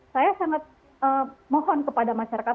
saya sangat mohon kepada masyarakat